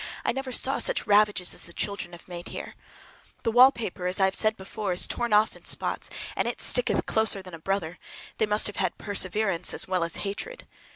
I never saw such ravages as the children have made here. The wallpaper, as I said before, is torn off in spots, and it sticketh closer than a brother—they must have had perseverance as well as hatred.